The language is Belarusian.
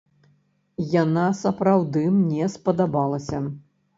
Яна сапраўды мне спадабалася.